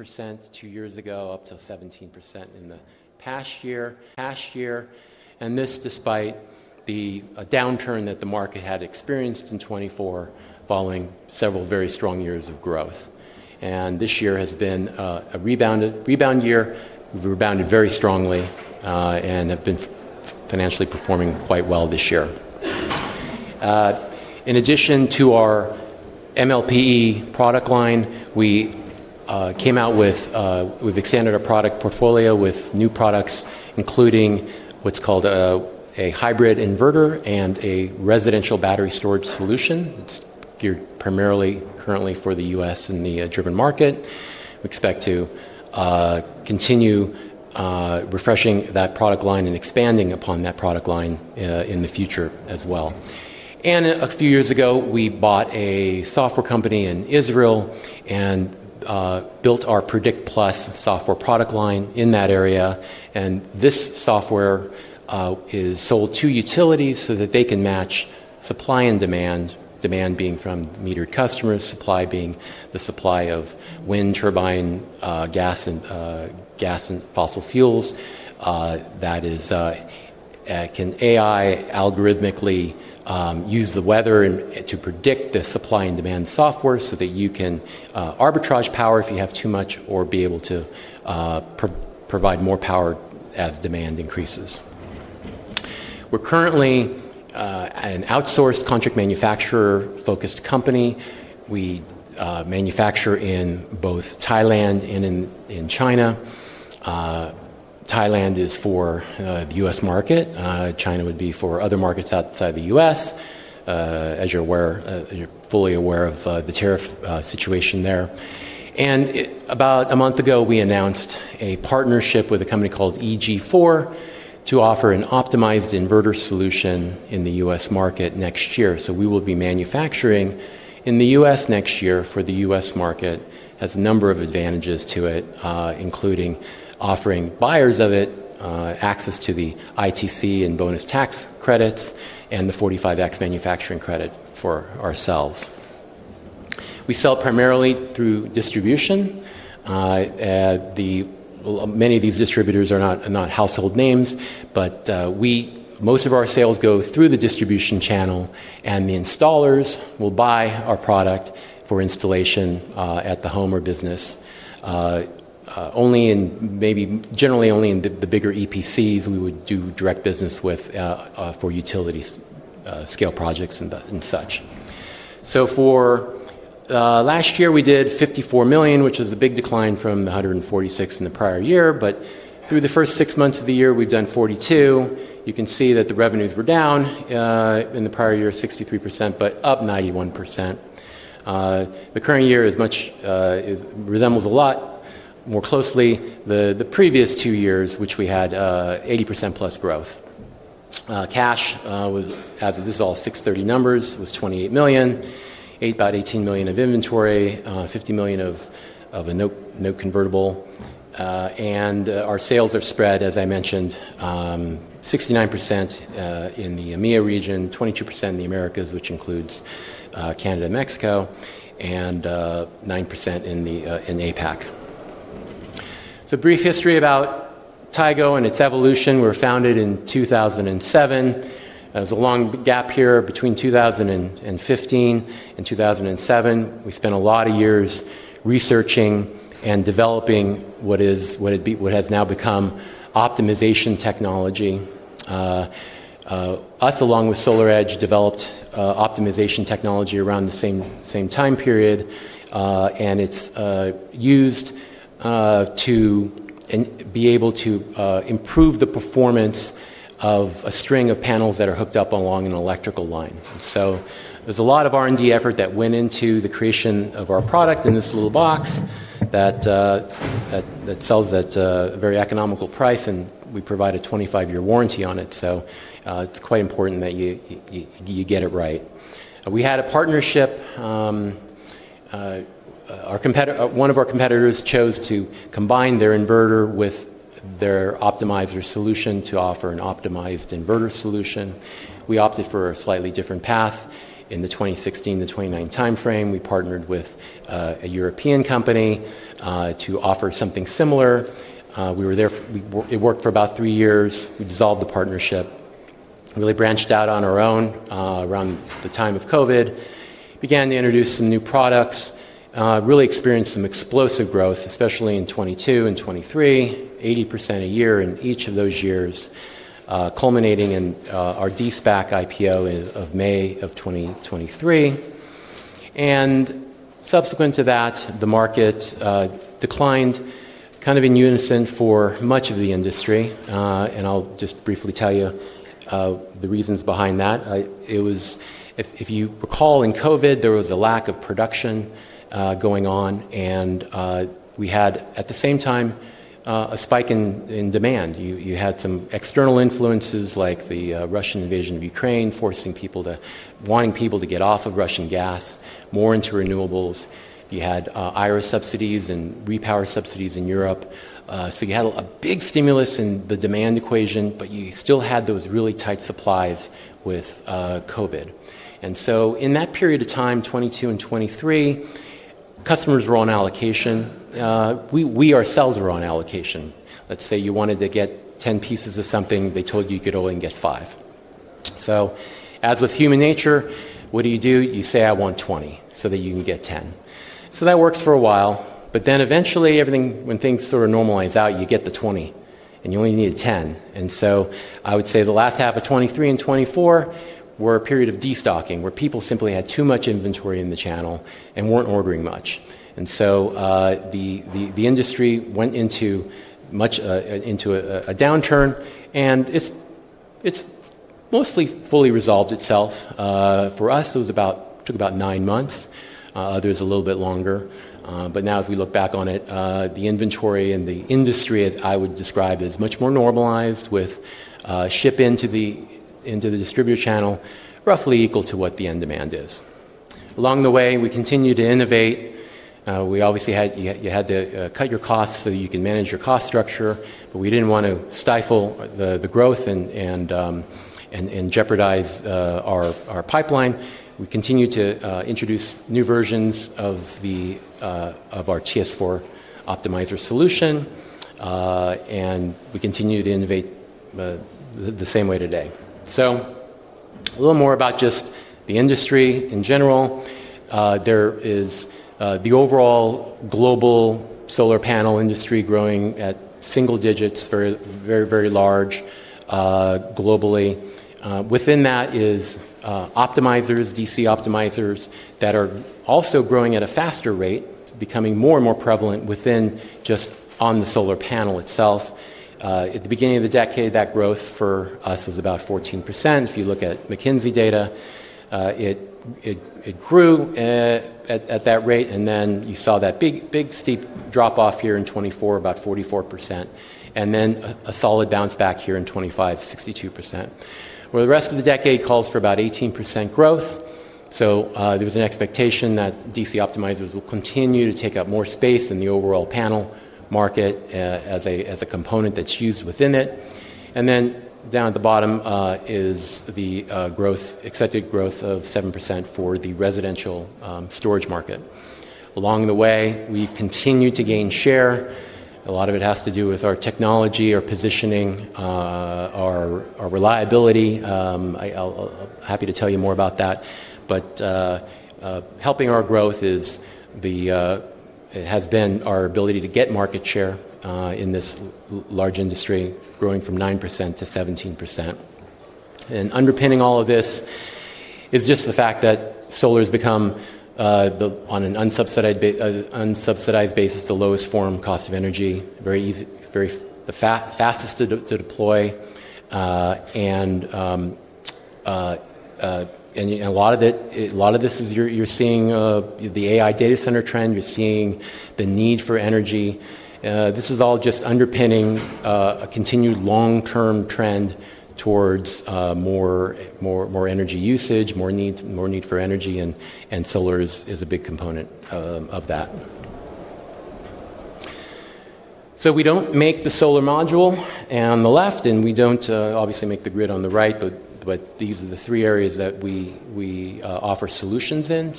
Percent two years ago, up to 17% in the past year. This is despite the downturn that the market had experienced in 2024 following several very strong years of growth. This year has been a rebound year. We rebounded very strongly and have been financially performing quite well this year. In addition to our MLPE product line, we have expanded our product portfolio with new products including what's called a hybrid inverter and a residential battery storage solution. It's geared primarily currently for the U.S. and the German market. We expect to continue refreshing that product line and expanding upon that product line in the future as well. A few years ago, we bought a software company in Israel and built our Predict+ software product line in that area. This software is sold to utilities so that they can match supply and demand, demand being from metered customers, supply being the supply of wind turbine, gas, and fossil fuels. That is, can AI algorithmically use the weather to predict the supply and demand software so that you can arbitrage power if you have too much or be able to provide more power as demand increases. We're currently an outsourced contract manufacturer-focused company. We manufacture in both Thailand and in China. Thailand is for the U.S. market. China would be for other markets outside the U.S. As you're fully aware of the tariff situation there. About a month ago, we announced a partnership with a company called EG4 to offer an optimized inverter solution in the U.S. market next year. We will be manufacturing in the U.S. next year for the U.S. market. It has a number of advantages to it, including offering buyers of it access to the ITC and bonus tax credits and the 45X manufacturing credit for ourselves. We sell primarily through distribution. Many of these distributors are not household names, but most of our sales go through the distribution channel, and the installers will buy our product for installation at the home or business. Only in maybe generally only in the bigger EPCs we would do direct business with for utility-scale projects and such. For last year, we did $54 million, which is a big decline from the $146 million in the prior year, but through the first six months of the year, we've done $42 million. You can see that the revenues were down in the prior year 63%, but up 91%. The current year resembles a lot more closely the previous two years, which we had 80%+ growth. Cash was, as of this all, $28 million, about $18 million of inventory, $50 million of a note convertible. Our sales are spread, as I mentioned, 69% in the EMEA region, 22% in the Americas, which includes Canada and Mexico, and 9% in APAC. Brief history about Tigo Energy and its evolution. We were founded in 2007. There was a long gap here between 2015 and 2007. We spent a lot of years researching and developing what has now become optimization technology. Us, along with SolarEdge, developed optimization technology around the same time period, and it's used to be able to improve the performance of a string of panels that are hooked up along an electrical line. There is a lot of R&D effort that went into the creation of our product in this little box that sells at a very economical price, and we provide a 25-year warranty on it. It's quite important that you get it right. We had a partnership. One of our competitors chose to combine their inverter with their optimizer solution to offer an optimized inverter solution. We opted for a slightly different path. In the 2016 to 2019 timeframe, we partnered with a European company to offer something similar. It worked for about three years. We dissolved the partnership, really branched out on our own around the time of COVID, began to introduce some new products, really experienced some explosive growth, especially in 2022 and 2023, 80% a year in each of those years, culminating in our DeSpac IPO of May of 2023. Subsequent to that, the market declined kind of in unison for much of the industry. I'll just briefly tell you the reasons behind that. If you recall, in COVID, there was a lack of production going on, and we had, at the same time, a spike in demand. You had some external influences like the Russian invasion of Ukraine forcing people to, wanting people to get off of Russian gas, more into renewables. You had IRA subsidies and repower subsidies in Europe. You had a big stimulus in the demand equation, but you still had those really tight supplies with COVID. In that period of time, 2022 and 2023, customers were on allocation. We ourselves were on allocation. Let's say you wanted to get 10 pieces of something, they told you you could only get five. As with human nature, what do you do? You say, "I want 20," so that you can get 10. That works for a while, but then eventually when things sort of normalize out, you get the 20 and you only need a 10. I would say the last half of 2023 and 2024 were a period of destocking where people simply had too much inventory in the channel and weren't ordering much. The industry went into a downturn, and it's mostly fully resolved itself. For us, it took about nine months. Others a little bit longer. Now as we look back on it, the inventory in the industry, as I would describe, is much more normalized with ship into the distributor channel, roughly equal to what the end demand is. Along the way, we continue to innovate. We obviously had to cut your costs so that you can manage your cost structure, but we didn't want to stifle the growth and jeopardize our pipeline. We continue to introduce new versions of our TS4-A series optimizer solution, and we continue to innovate the same way today. A little more about just the industry in general. There is the overall global solar panel industry growing at single digits, very, very large globally. Within that is optimizers, DC optimizers that are also growing at a faster rate, becoming more and more prevalent within just on the solar panel itself. At the beginning of the decade, that growth for us was about 14%. If you look at McKinsey data, it grew at that rate, and then you saw that big steep drop-off here in 2024, about 44%, and then a solid bounce back here in 2025, 62%, where the rest of the decade calls for about 18% growth. There was an expectation that DC optimizers will continue to take up more space in the overall panel market as a component that's used within it. Down at the bottom is the growth, expected growth of 7% for the residential storage market. Along the way, we've continued to gain share. A lot of it has to do with our technology, our positioning, our reliability. I'm happy to tell you more about that. Helping our growth has been our ability to get market share in this large industry, growing from 9% to 17%. Underpinning all of this is just the fact that solar has become, on an unsubsidized basis, the lowest form cost of energy, very fastest to deploy. A lot of this is you're seeing the AI data center trend. You're seeing the need for energy. This is all just underpinning a continued long-term trend towards more energy usage, more need for energy, and solar is a big component of that. We don't make the solar module on the left, and we don't obviously make the grid on the right, but these are the three areas that we offer solutions in.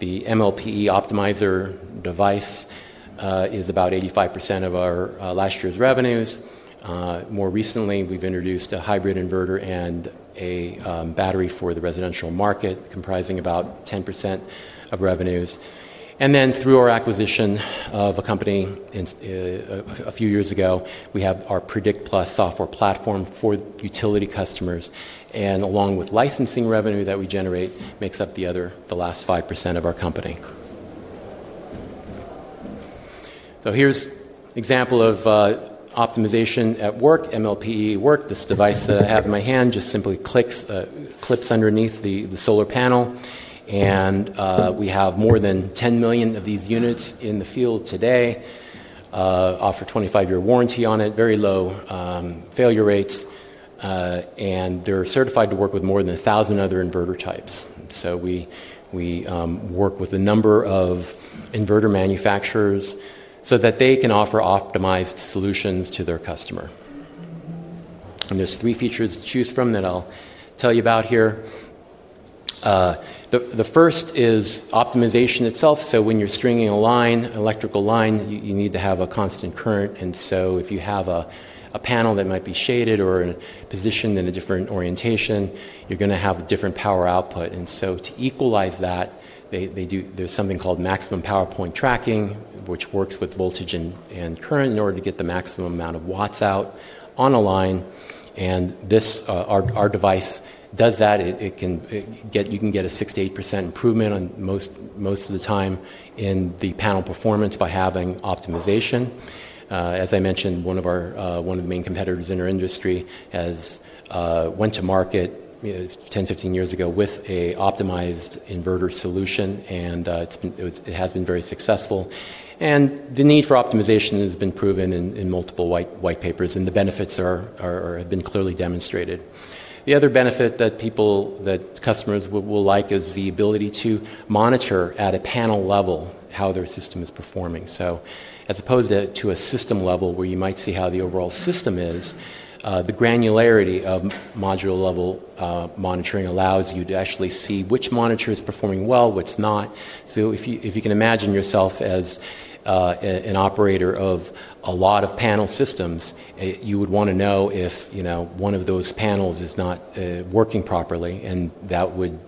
The MLPE optimizer device is about 85% of our last year's revenues. More recently, we've introduced a hybrid inverter and a battery for the residential market, comprising about 10% of revenues. Through our acquisition of a company a few years ago, we have our Predict+ software platform for utility customers. Along with licensing revenue that we generate, this makes up the last 5% of our company. Here's an example of optimization at work, MLPE work. This device that I have in my hand just simply clips underneath the solar panel. We have more than 10 million of these units in the field today, offer a 25-year warranty on it, very low failure rates, and they're certified to work with more than a thousand other inverter types. We work with a number of inverter manufacturers so that they can offer optimized solutions to their customer. There are three features to choose from that I'll tell you about here. The first is optimization itself. When you're stringing a line, an electrical line, you need to have a constant current. If you have a panel that might be shaded or positioned in a different orientation, you're going to have a different power output. To equalize that, there's something called maximum power point tracking, which works with voltage and current in order to get the maximum amount of watts out on a line. Our device does that. You can get a 6%-8% improvement most of the time in the panel performance by having optimization. As I mentioned, one of the main competitors in our industry went to market 10, 15 years ago with an optimized inverter solution, and it has been very successful. The need for optimization has been proven in multiple white papers, and the benefits have been clearly demonstrated. The other benefit that customers will like is the ability to monitor at a panel level how their system is performing. As opposed to a system level where you might see how the overall system is, the granularity of module level monitoring allows you to actually see which monitor is performing well, which is not. If you can imagine yourself as an operator of a lot of panel systems, you would want to know if one of those panels is not working properly, and that would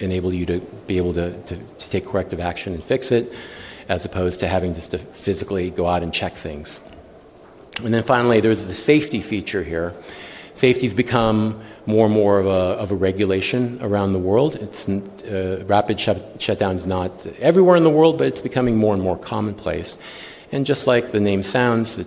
enable you to be able to take corrective action and fix it as opposed to having to physically go out and check things. Finally, there's the safety feature here. Safety has become more and more of a regulation around the world. Rapid shutdown is not everywhere in the world, but it's becoming more and more commonplace. Just like the name sounds,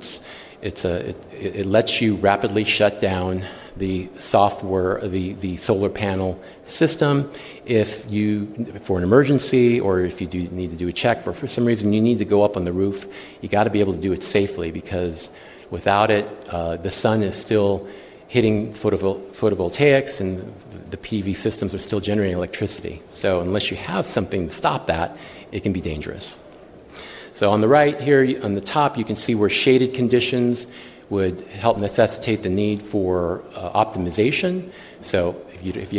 it lets you rapidly shut down the solar panel system. If you, for an emergency or if you need to do a check or for some reason you need to go up on the roof, you got to be able to do it safely because without it, the sun is still hitting photovoltaics and the PV systems are still generating electricity. Unless you have something to stop that, it can be dangerous. On the right here, on the top, you can see where shaded conditions would help necessitate the need for optimization. If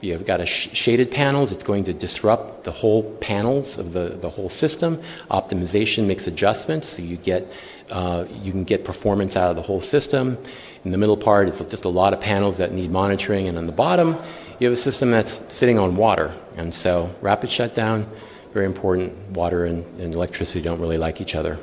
you've got shaded panels, it's going to disrupt the whole panels of the whole system. Optimization makes adjustments, so you can get performance out of the whole system. In the middle part, it's just a lot of panels that need monitoring, and on the bottom, you have a system that's sitting on water. Rapid shutdown is very important. Water and electricity don't really like each other.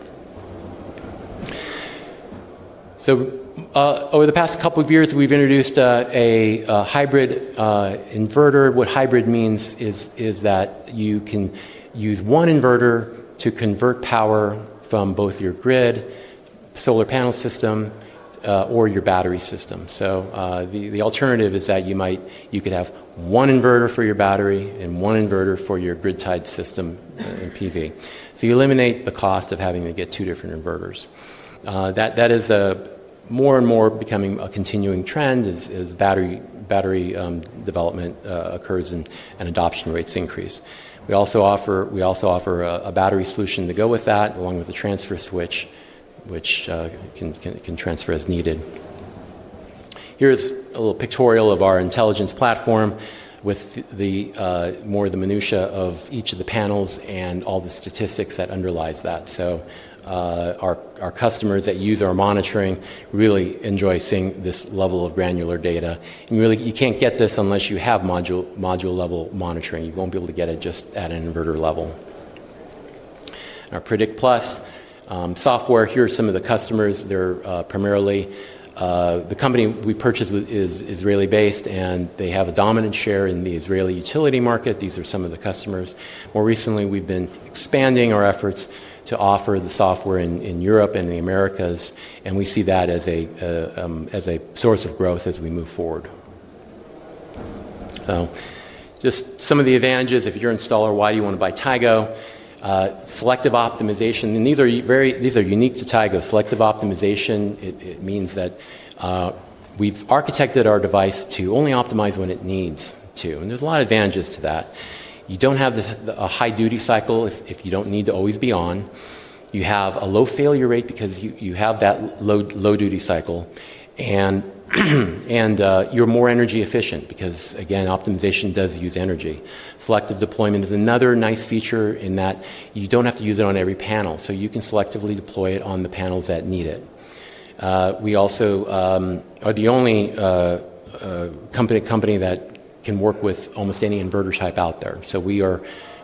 Over the past couple of years, we've introduced a hybrid inverter. What hybrid means is that you can use one inverter to convert power from both your grid, solar panel system, or your battery system. The alternative is that you could have one inverter for your battery and one inverter for your grid-tied system in PV. You eliminate the cost of having to get two different inverters. That is more and more becoming a continuing trend as battery development occurs and adoption rates increase. We also offer a battery solution to go with that, along with the transfer switch, which can transfer as needed. Here's a little pictorial of our intelligence platform with more of the minutia of each of the panels and all the statistics that underlie that. Our customers that use our monitoring really enjoy seeing this level of granular data. You can't get this unless you have module level monitoring. You won't be able to get it just at an inverter level. Our Predict+ software, here are some of the customers. They're primarily the company we purchased is Israeli based, and they have a dominant share in the Israeli utility market. These are some of the customers. More recently, we've been expanding our efforts to offer the software in Europe and the Americas, and we see that as a source of growth as we move forward. Just some of the advantages. If you're an installer, why do you want to buy Tigo? Selective optimization. These are unique to Tigo. Selective optimization means that we've architected our device to only optimize when it needs to. There's a lot of advantages to that. You don't have a high duty cycle if you don't need to always be on. You have a low failure rate because you have that low duty cycle, and you're more energy efficient because, again, optimization does use energy. Selective deployment is another nice feature in that you don't have to use it on every panel, so you can selectively deploy it on the panels that need it. We also are the only company that can work with almost any inverter type out there. We are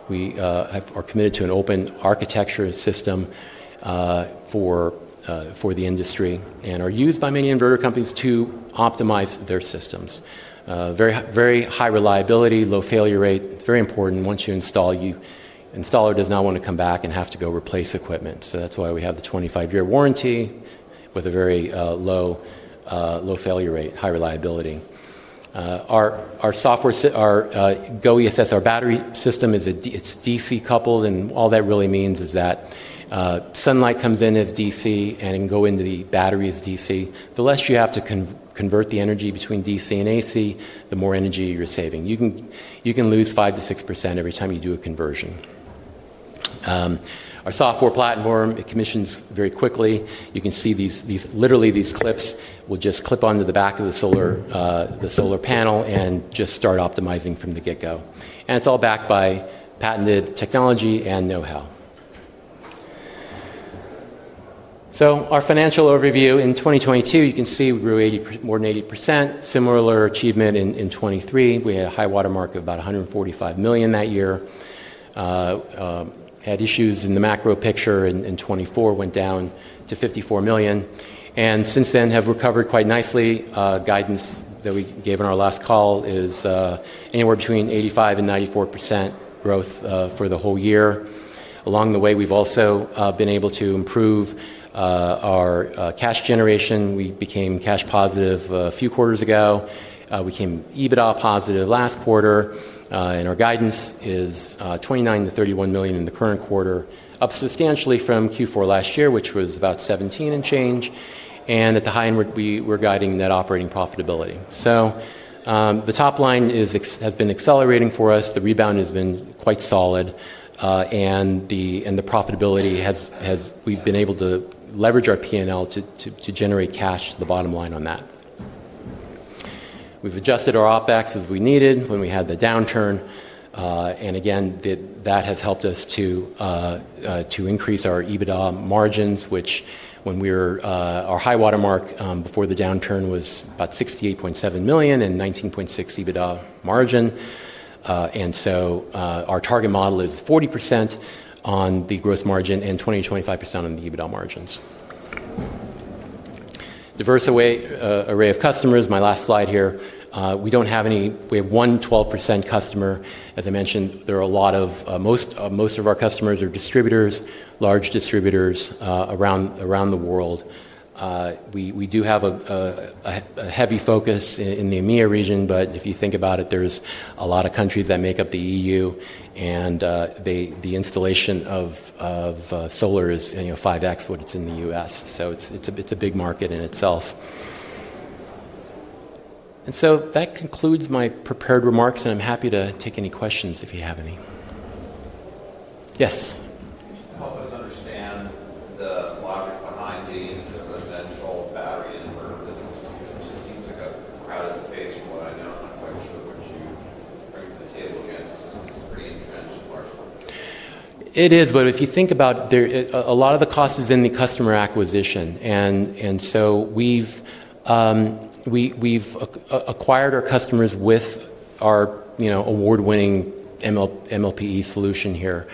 committed to an open architecture system for the industry and are used by many inverter companies to optimize their systems. Very high reliability, low failure rate. It's very important. Once you install, the installer does not want to come back and have to go replace equipment. That's why we have the 25-year warranty with a very low failure rate, high reliability. Our GO ESS, our battery system, is DC coupled, and all that really means is that sunlight comes in as DC and can go into the battery as DC. The less you have to convert the energy between DC and AC, the more energy you're saving. You can lose 5%-6% every time you do a conversion. Our software platform, it commissions very quickly. You can see literally these clips will just clip onto the back of the solar panel and just start optimizing from the get-go. It's all backed by patented technology and know-how. Our financial overview in 2022, you can see we grew more than 80%. Similar achievement in 2023. We had a high watermark of about $145 million that year. Had issues in the macro picture in 2024, went down to $54 million. Since then, have recovered quite nicely. Guidance that we gave in our last call is anywhere between 85% and 94% growth for the whole year. Along the way, we've also been able to improve our cash generation. We became cash positive a few quarters ago. We came EBITDA positive last quarter, and our guidance is $29 million-$31 million in the current quarter, up substantially from Q4 last year, which was about $17 million and change. At the high end, we're guiding net operating profitability. The top line has been accelerating for us. The rebound has been quite solid, and the profitability has, we've been able to leverage our P&L to generate cash to the bottom line on that. We've adjusted our OpEx as we needed when we had the downturn. That has helped us to increase our EBITDA margins, which, when we were at our high watermark before the downturn, was about $68.7 million and 19.6% EBITDA margin. Our target model is 40% on the gross margin and 20%-25% on the EBITDA margins. Diverse array of customers, my last slide here. We don't have any, we have one 12% customer. As I mentioned, most of our customers are distributors, large distributors around the world. We do have a heavy focus in the EMEA region. If you think about it, there's a lot of countries that make up the EU, and the installation of solar is 5x what it is in the U.S. It's a big market in itself. That concludes my prepared remarks, and I'm happy to take any questions if you have any. Yes. Can you help us understand the logic behind the residential battery inverter business? It just seems like a crowded space from what I know. I'm not quite sure what you bring to the table. It's pretty entrenched in large corporations. It is, but if you think about it, a lot of the cost is in the customer acquisition. We've acquired our customers with our award-winning MLPE solution here,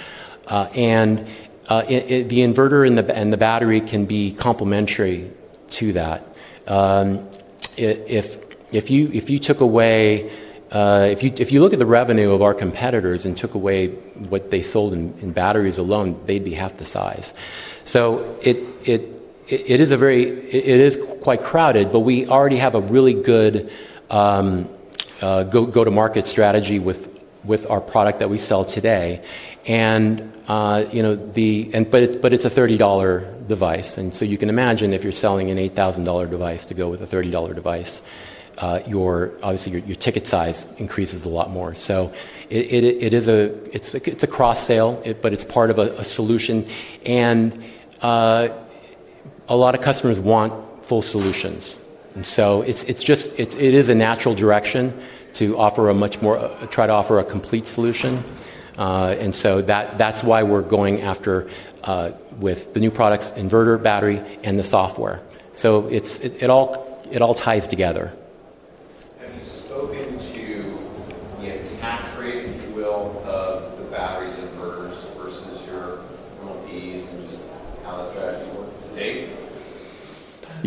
and the inverter and the battery can be complementary to that. If you look at the revenue of our competitors and took away what they sold in batteries alone, they'd be half the size. It is quite crowded, but we already have a really good go-to-market strategy with our product that we sell today. It's a $30 device, and you can imagine if you're selling an $8,000 device to go with a $30 device, obviously your ticket size increases a lot more. It's a cross-sale, but it's part of a solution. A lot of customers want full solutions, so it is a natural direction to try to offer a complete solution. That's why we're going after the new products, inverter, battery, and the software. It all ties together.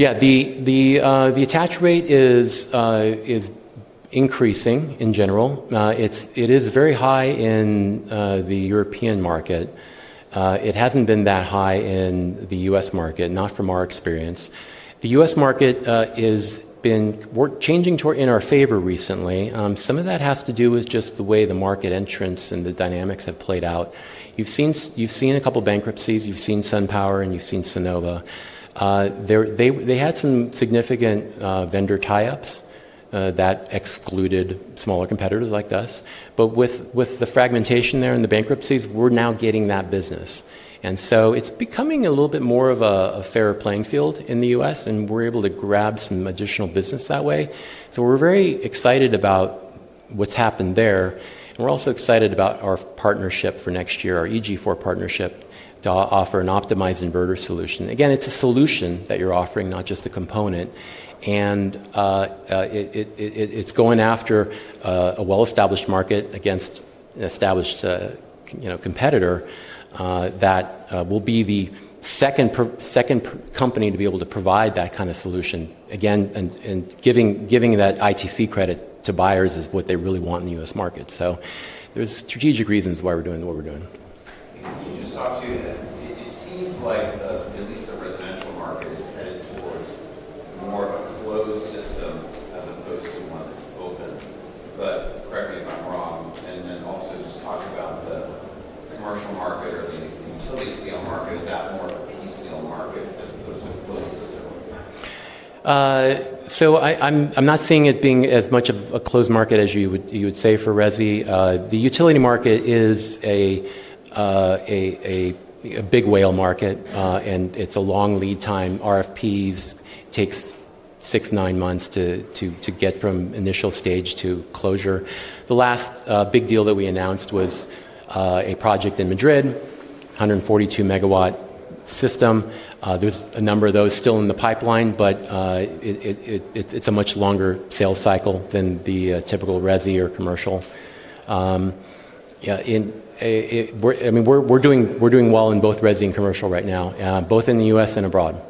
Have you spoken to the attach rate, if you will, of the batteries and inverters versus your MLPEs and just how that strategy's worked to date? Yeah, the attach rate is increasing in general. It is very high in the European market. It hasn't been that high in the U.S. market, not from our experience. The U.S. market has been changing in our favor recently. Some of that has to do with just the way the market entrance and the dynamics have played out. You've seen a couple of bankruptcies. You've seen SunPower and you've seen Sonova. They had some significant vendor tie-ups that excluded smaller competitors like us. With the fragmentation there and the bankruptcies, we're now getting that business. It's becoming a little bit more of a fair playing field in the U.S., and we're able to grab some additional business that way. We're very excited about what's happened there. We're also excited about our partnership for next year, our EG4 partnership to offer an optimized inverter solution. Again, it's a solution that you're offering, not just a component. It's going after a well-established market against an established competitor that will be the second company to be able to provide that kind of solution. Giving that ITC credit to buyers is what they really want in the U.S. market. There are strategic reasons why we're doing what we're doing. Can you just talk to, it seems like at least the residential market is headed towards more of a closed system as opposed to one that's open. Correct me if I'm wrong. Also, just talk about the commercial market or the utility-scale market. Is that more of a utility-scale market as opposed to a closed system? I'm not seeing it being as much of a closed market as you would say for Resi. The utility market is a big whale market, and it's a long lead time. RFPs take six, nine months to get from initial stage to closure. The last big deal that we announced was a project in Madrid, 142 megawatt system. There's a number of those still in the pipeline, but it's a much longer sales cycle than the typical Resi or commercial. I mean, we're doing well in both Resi and commercial right now, both in the U.S. and abroad. That's all the time we have. Thank you everyone for a great first day. We'll see you tomorrow.